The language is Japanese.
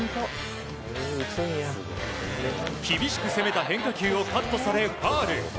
厳しく攻めた変化球をカットされファウル。